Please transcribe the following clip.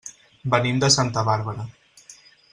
Venim de Santa Bàrbara.